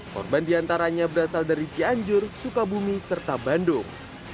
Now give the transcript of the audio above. korban diantaranya berasal dari cianjur sukabumi serta bandung